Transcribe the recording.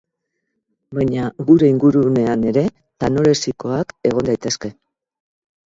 Baina gure ingurunean ere tanorexikoak egon daitezke.